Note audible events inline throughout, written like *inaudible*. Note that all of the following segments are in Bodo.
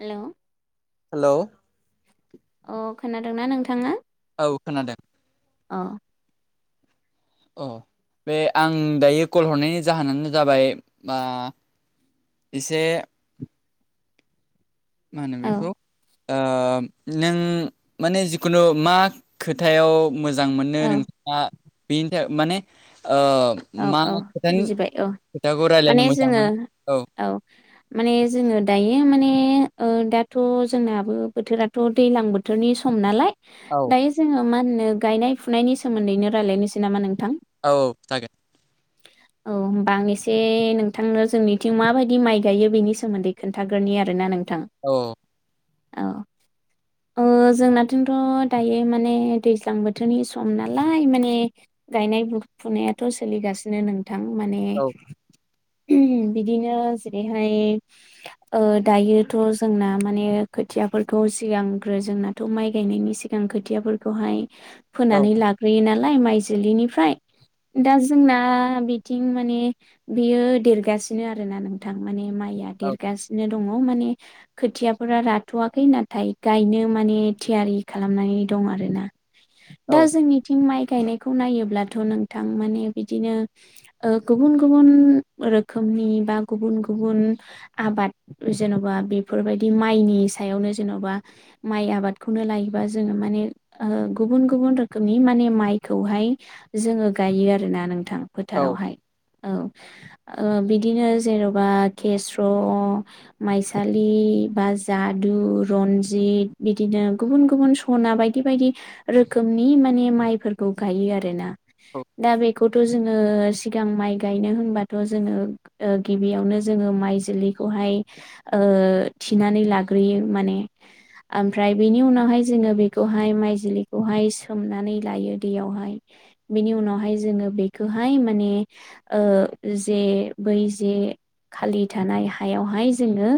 हेल' हेलौ अ खोनादोंना नोंथांङा? औ खोनादों अ अ बे आं दायो कल हरनायनि जाहोनानो जाबाय मा इसे मा होनो औ बेखौ ओ नों माने जिखुनु मा खोथायाव मोजां मोनो औ नोंथाङा बेनि थाखाय माने औ मा औ खोथानि बुजिबाय औ खोथाखौ माने रायज्लायनो जोङो मोजांमोन औ माने जोङो दायो माने दाथ' जोंनाबो बोथोरा थ' दैज्लां बोथोरनि सम नालाय, औ दायो जोङो मा होनो गायनाय फुनायनि सोमोन्दैनो रायज्लायनोसै नामा नोंथां! औ जागोन। *inaudible* औ होमब आं एसे नोंथांनो जोंनिथिं माबायदि माइ गायो बेनि सोमोन्दै खोन्थाग्रोनि आरोना नोंथां। अ औ ओ जोंनाथिंथ' दायो माने दैज्लां बोथोरनि सम नालाय माने गायनाय फुनायाथ' सोलिगासिनो नोंथां माने औ *unintelligible* बिदिनो जेरैहाय दायोथ' जोंना माने खोथियाफोरखौ सिगांग्रो जोंना दाथ' माइ गायनायनि सिगां खोथियाफोरखौहाय औ फोनानै लाग्रोयो नालाय माइ जिलिनिफ्राय। दा जोंना बिथिं माने बियो देरगासिनो आरोना नोंथां माने माइ मया औ औ देरगासिनो दङ, माने खोथियाफोरा राथ'वाखै नाथाय गायनो माने थियारि खालामनानै दं आरोना। *inaudible* दा जोंनिथिं माइ गायनायखौ नायोब्लाथ' नोंथां माने बिदिनो गुबुन गुबुन रोखोमनि बा गुबुन गुबुन आबाद जेन'बा बेफोरबायदि माइनि सायावनो जेन'बा माइ आबादखौनो लायोबा जोङो माने ओ गुबुन गुबुन रोखोमनि माने माइखौहाय जोङो गा गायो आरोना नोंथां औ फोथारावहाय। औ, ओ बिदिनो जेन'बा केस्र' माइसालि बा जादु रन्जित बिदिनो गुबुन गुबुन सना बायदि बायदि रोखोमनि माने माइफोरखौ गायो आरोना। औ दा बेखौथ' जोङो सिगां माइ गायनो होनबाथ' जोङो गिबियावनो जोङो माइ जोलैखौहाय ओ थिनानै लाग्रोयो माने ओमफ्राय बेनि उनावहाय जोङो बेखौहाय माइज्लिखौहाय सोमनानै लायो दैयावहाय बिनि उनावहाय ओमफाय जोङो बेखौहाय माने ओ जे बै जे- खालि थानाय हायावहाय जोङो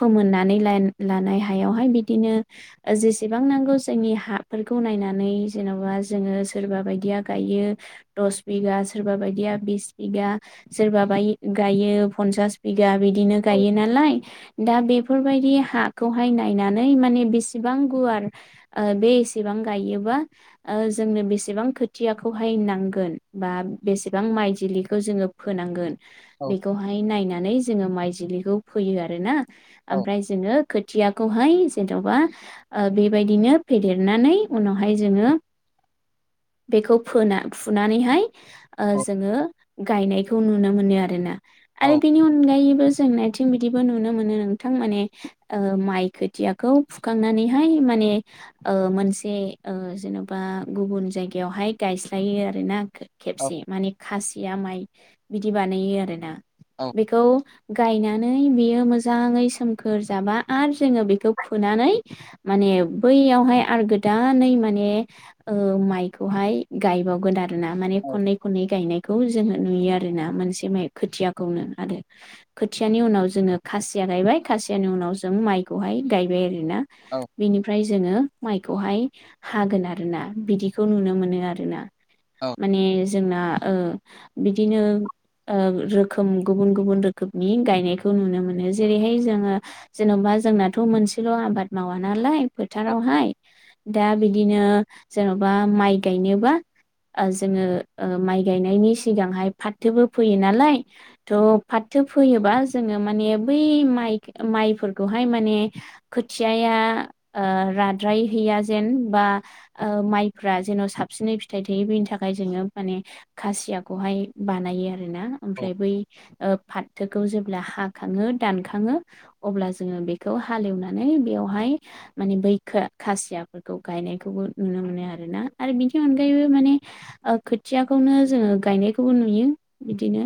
फोमोननानै ला लानाय हायावहाय बिदिनो जेसेबां नांगौ जोंनि हाफोरखौ नायनानै जेन'बा जोङो सोरबा बायदिया गायो। दस बिगा सोरबा बायदिया बिस बिगा सोरबाबा गायो फन्सास बिगा बिदिनो औ गायो नालाय। दा बेफोरबायदि हाखौहाय नायनानै माने बेसेबां गुवार ओ बे एसेबां गायोबा ओ जोंनो बेसेबां खोथियाखौहाय नां गोन बा बेसेबां माइजलिखौ जोङो फोनांगोन औ बेखौहाय नायनानै जोङो माइजिलिखौ फोयो आरो ना। औ ओमफ्राय जोङो खोथिया खौहाय जेन'बा ओ बेबायदिनो फेदेरनानै उनावहाय जोङो बेखौ फोना फुनानैहाय ओ जोङो गायनायखौ नुनो मोनो आरो ना। औ आरो बेनि अनगायैबो जोंनाथिं बिदिबो नुनो मोनो नोंथां माने ओ माइ खोथियाखौ फुखांनानैहाय माने ओ मोनसे ओ जेनेबा गुबुन जायगायावहाय गायस खायो आरोना खेबसे माने खासिया माइ बिदि बानायो आर ना। बेखौ गायना नानै बियो मोजाङै सोमखोर जाबा आरो जोङो बेखौ फुनानै माने बैयावहाय आरो गोदानै माने ओ माइखौहाय गायबावगोन आरोना माने खननै खननै गायनायखौ जोङो नुयो आरोना मोनसे माइ खोथियाखौनो आरो। खोथियानि उनाव जोङो खासिया गायबाय खासियानि उनाव जों माइ खौहाय गायबाय आरोना। बिनिफ्राय जोङो माइखौहाय हागोन आरोना। बिदिखौ नुनो मोनो आरोना। माने जोंना ओ बिदिनो ओ रोखोम गुबुन गुबुन रोखोमनि गायनायखौ नुनो मोनो। जेरैहाय जोङो जेन'बा जोंनाथ' मोनसेल' आबाद मावा नालाय फोथारावहाय। दा बिदिनो जेन'बा माइ गायनो बा ओ जोङो ओ माइ गायनायनि सिगांहाय फाथोबो फोयो नालाय थ' फाथो फोयोबा जोङो माने बै माइ माइफोरखौहाय माने खोथियाया ओ राद्रायहैया जेन बा ओ माइफ्रा जेन' साबसिनै फिथाइ थायो बेनि थाखाय जोङो माने खासियाखौहाय बानायो आरोना, ओमफ्राय बै फाथोखौ जेब्ला हाखाङो दानखाङो अब्ला जोङो बेखौ हालेवनानै बेवहाय माने बैखो खासियाफोरखौ गायनायखौबो नुनो मोनो आरोना, आरो बिनि बिनि अनगायैबो माने ओ खोथियाखौनो जोङो गायनायखौबो नुयो बिदिनो।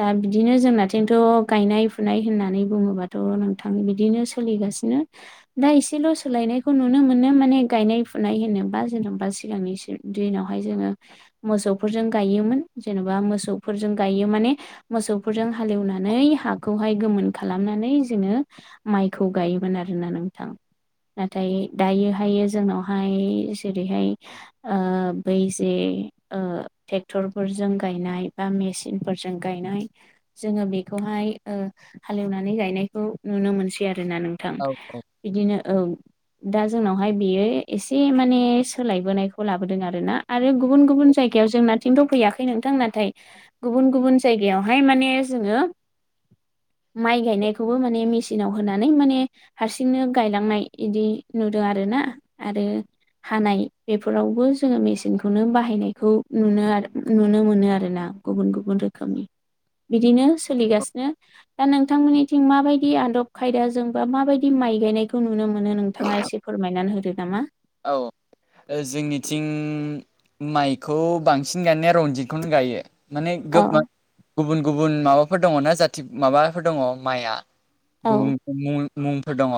दा बिदिनो जोंनाथिंथ' गायनाय फुनाय होननानै बुङोबाथ' नोंथां बिदिनो सोलिगासिनो। दा एसेल' सोलायनायखौ नुनो मोनो माने गायनाय फुनाय होनोबा जेनेबा सिगांनि स दिनावहाय जोङो मोसौफोरजों गायोमोन जेनेबा मोसौफोरजों गायो माने मोसौफोरजों हालेवनानै हाखौहाय गोमोन खालामनानै जोङो माइखौ गायोमोन आरोना नोंथां। नाथाय दायोहाय जोंनावहाय जेरैहाय ओ बै जे ओ ट्रेक्टरफोरजों गायनाय बा मेसि सिन फोरजों गायनाय जोङो बेखौहाय ओ हालेवनानै गायनायखौ नुनो मोनसै आरो ना नोंथां। औ औ। बिदिनो ओं। दा जोंनावहाय बेयो एसे माने सोलायबोनायखौ खौ लाबोदों आरो ना, आरो गुबुन गुबुन जायगायाव जोंनाथिंथ' फैयाखै नोंथां नाथाय गुबुन गुबुन जायगायावहाय माने जोङो माइ गायनायखौबो माने मेसिनाव होनानै माने हारसिंनो गायलांनाय इदि नुदों आरो ना आरो हानाय बे फोरावबो जोङो मेसिनखौनो बाहायनायखौ नुनो आरो नुनो मोनो आरोना गुबुन गुबुन रोखोम खोमनि बिदिनो सोलिगासिनो। दा नोंथांमोननिथिं माबायदि आदब खायदाजों बा माबायदि माइ गायनायखौ नुनो मोनो नोंथाङा एसे फोरमायनानै होदो नामा। औ। ओ जोंनिथिं माइखौ बांसिन गायनाया रनजितखौनो गायो। माने औ गुबुन गुबुन माबाफोर दङना जाथि माबाफोर दङ माइआ। गुबुन औ गुबुन मुंफोर दङ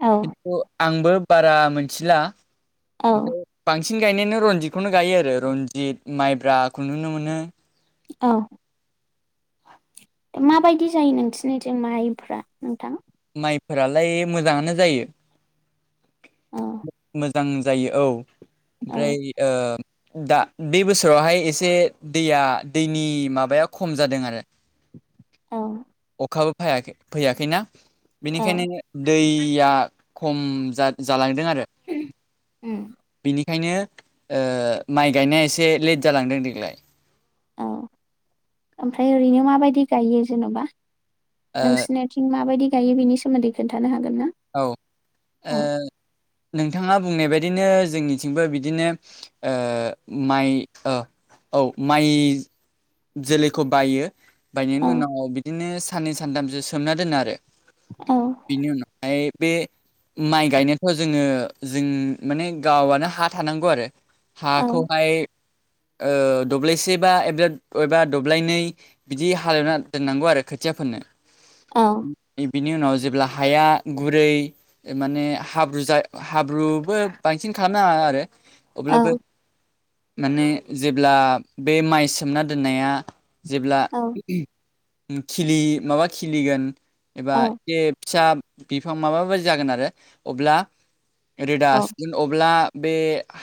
औ खिन्थु आंबो बारा मोन थिला औ ओमफ्राय बांसिन गायनायानो रनजितखौनो गायो आरो रनजित माइब्राखौ नुनो मोनो औ दा माबायदि जायो नोंसिनिथिं जायो माइफ्रा नोंथां माइफोरालाय मोजाङानो जायो औ मोजां जायो औ औ ओमफ्राय ओ दा बे बोसोरावहाय एसे दैया दैनि माबाया खम जादों आरो औ खाबो फायाखै फैयाखैना औ बिनिखायनो दैया खम जालांदों आरो उम बिनिखायनो माइ गायनाया एसे लेट जालांदों देग्लाय औ ओमफ्राय ओरैनो माबायदि गायो जेन'बा ओ नोंसिनि माबायदि गायो बिनि सोमोन्दै खोन्थानो हागोन ना औ ओ औ नोंथाङा बुंनाय बदिनो जोंनिथिंबो बिदिनो माइ औ माइ जोलैखौ बायो औ बायनायनि उनाव बिदिनो साननै सानथामसो सोमना दोनो आरो औ बिनि उनावहाय बे माइ गायनायाथ' जोङो जों माने गावनो हा थानांगौ आरो औ हाखौहाय दब्लायसे बा बबेबा दब्लायनै बिदि हालेवना दोननांगौ आरो खोथिया फोरनो औ बिनि उनाव जेब्ला हाया गुरै माने हाब्रु जा हाब्रुबो बांसिन खालामनो हाङा आरो अब्लाबो औ माने जेब्ला बे माइ सोमना दोननाया जेब्ला औ खिलि माबा खिलिगोन एबा औ एसे फिसा बिफां माबा बायदि जागोन आरो अब्ला औ रोदासि अब्ला बे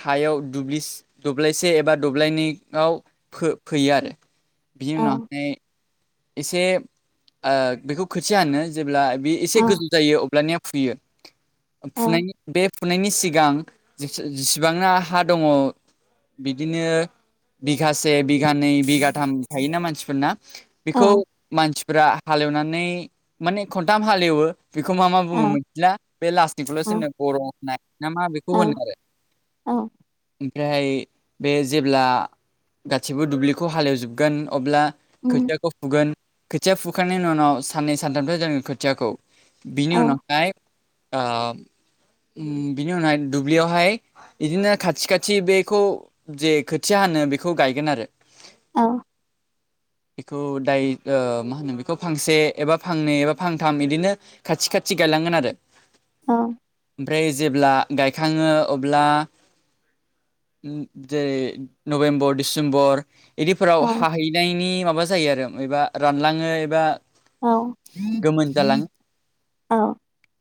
हायाव दुब्लि दब्लायसे एबा दब्लायनियाव फो-फोयो आरो बिनि उनावहाय एसे बेखौ खोथिया हानो जेब्ला बे एसे औ गोजौ जायो अब्लानिया फुयो औ फुनायनि बे फुनायनि सिगां जिसिबांना हा दङ बिदिनो बिगासे बिघानै बिगाथाम थायोना मानसिफोरना बेखौ मानसिफ्रा हालेवनानै माने खनथाम हालेवो बेखौ मा मा बुङो मिला बे औ लास्टनिफ्रल'सोनो ग' होननाय ना मा बेखौ होनो औ आरो औ ओमफ्राय बे जेब्ला गासिबो दुब्लिखौ हालेवजोबगोन अब्ला उम खोथियाखौ फुगोन खोथिया फुखांनायनि उनाव साननै सानथामथ' जोङो खोथियाखौ बिनि औ उनावहाय बिनि उनावहाय दुब्लियावहाय बिदिनो खाथि खाथि बेखौ जे खोथिया होनो बेखौ गायगोन आरो औ बेखौ दाय मा होनो बेखौ फांसे एबा फांनै एबा फांथाम बिदिनो खाथि खाथि गायलांगोन आरो अ ओमफ्राय जेब्ला गायखाङो अब्ला जेरै नभेम्बर डिसेम्बर इदिफोराव औ हाहैनायनि माबा जायो आरो मायबा रानलाङो एबा औ गोमोन जालाङ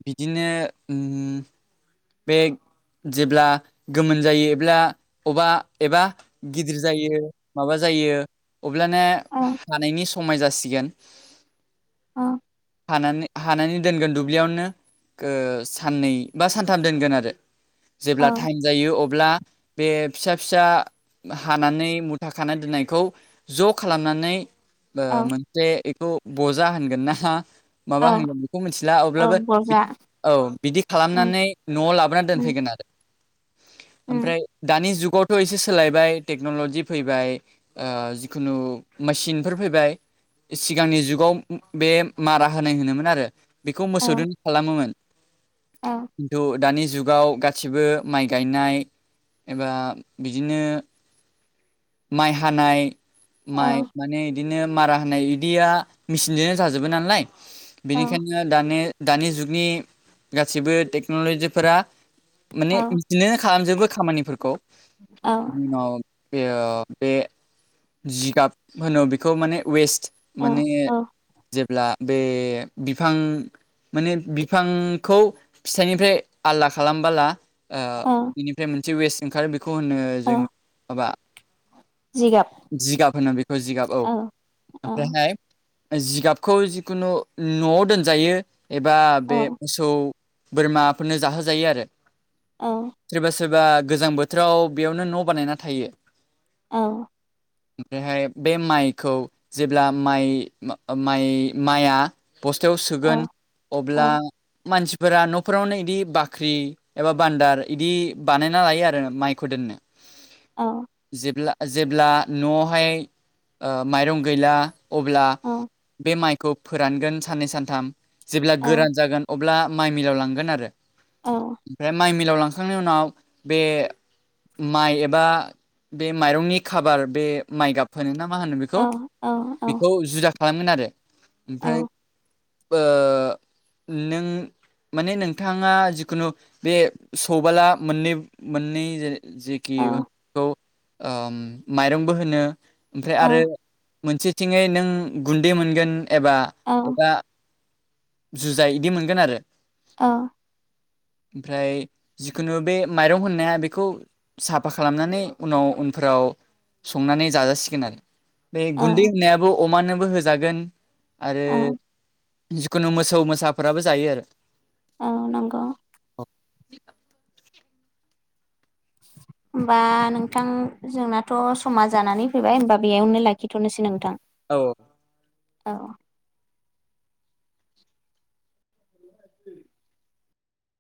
बिदिनो उम बे जेब्ला गोमोन जायो एब्ला अबा एबा गिदिर जायो माबा जायो अब्लाना औ हानायनि समाय जासिगोन। अ। हाना हानानै दोनगोन दुब्लियावनो गो साननै बा सान थाम दोनगोन आरो जेब्ला टाइम जायो अब्ला बे फिसा फिसा हानानै मुथा खाना दोननायखौ ज' खालामनानै ओ औ औ मोनसे बेखौ बजा होनगोन ना माबा औ होनगोन बेखौ मिथिला औ अब्लाबो बिद बजा औ बिदि उम खालामनानै न'आव लाबोना उम दोनफैगोन। उम आमफ्राय दानि जुगाव थ एसे सोलायबाय टेक्न'लजि फैबाय ओ जिखुनु मेसिनफोर फैबाय। सिगांनि जुगाव बे मारा होनाय होनोमोन आरो बेखौ मोसौदोन खालामोमोन। अ। खिन्थु दानि जुगाव गासिबो माइ गायनाय एबा बिदिनो माइ हानाय औ माइ औ माने बिदिनो मारा होनाय बिदिया मेचिनजोंनो जाजोबो नालाय औ बेनिखायनो ओ दानि दानि जुगनि गासिबो टेक्न'लजिफोरा माने औ बिदिनो खालामजोबो खामानिफोरखौ अ बेव बे जिगाब होनो बेखौ माने वेस्ट माने औ औ जेब्ला बे बिफां माने बिफांखौ फिथाइनिफ्राय आलदा खालामबोला ओ औ इनिफ्राय मोनसे वेस्ट ओंखारो बेखौ होनो जोङो औ माबा जिगाब। जिगाब होनो बेखौ जिगाब औ औ ओमफ्रायहाय जिगाबखौ जिखुनु न‌'आव दोनजायो एबा बे औ मोसौ बोरमाफोरनो जाहो जायो आरो। औ। सोरबा सोरबा गोजां बोथोराव बेयावनो न' बानायना थायो। औ। ओमफ्रायहाय बे माइखौ जेब्ला माइ म माइ माइआ बस्थायाव सोगोन औ औ अब्ला मानसिफोरा न'फोरावनो इदि बाख्रि एबा बान्दार इदि बानायना लायो आरो माइखौ दोननो। अ। जेब्ला जेब्ला न'आवहाय ओ माइरं गैला अब्ला औ बे माइखौ फोरानगोन साननै सानथाम जेब्ला औ गोरान जागोन अब्ला माइ मिलाव लांगोन आरो औ ओमफाय माइ मिलाव लां हाखांनायनि उनाव बे माइ एबा बे माइरंनि खाबार बे माइ गाब होनो ना मा होनो औ बेखौ औ बेखौ जुदा खालामगोन आरो ओमफ्राय ओ नों माने नोंथाङा जिखुनु बे सौबोला मोननै मोननै जेखि *unintelligible* ओम‌ माइरंबो होनो ओमफ्राय आरो मोनसेथिङै नों गुन्दै मोनगोन एबा एबा जुजाइ इदि मोनगोन आरो। अ। *inaudible* ओमफ्राय जिखुनु बे माइरं होननाया बेखौ साफा खालामनानै उनाव फोराव संनानै जाजासिगोन आरो बे औ गुन्दै होननायाबो अमानोबो होजागोन आरो औ जिखुनु मोसौ मोसाफोराबो जायो आरो। औ नोंगौ *inaudible* होमबा नोंथां जोंनाथ' समा जानानै फैबाय होनबा बेयावनो लाखिथ'नोसै नोंथां औ औ *unintelligible*